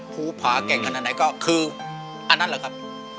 ภูผาแก่งขนาดไหนก็คืออันนั้นเหรอครับ